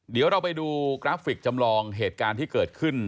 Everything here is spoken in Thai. เดี๋ยวเราไปดูกราฟิกจำลองเหตุการณ์ที่เกิดขึ้น